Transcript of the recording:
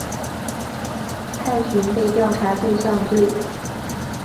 探寻被调查对象对。